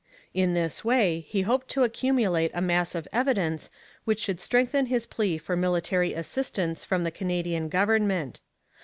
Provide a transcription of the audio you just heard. In this way he hoped to accumulate a mass of evidence which should strengthen his plea for military assistance from the Canadian government.